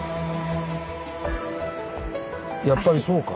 やっぱりそうか。